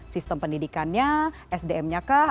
sistem pendidikannya sdm nya kah